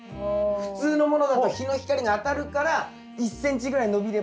普通のものだと日の光が当たるから１ｃｍぐらい伸びればそれで十分なんすよ。